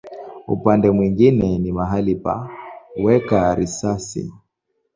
Upande mwingine ni mahali pa kuweka risasi.